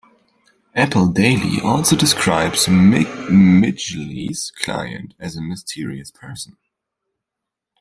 Apple Daily also describes Midgley's client as a 'mysterious person'.